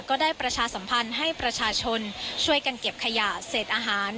ก็ได้ประชาสัมพันธ์ให้ประชาชนช่วยกันเก็บขยะเศษอาหาร